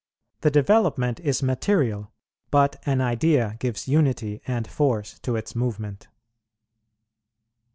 The development is material; but an idea gives unity and force to its movement.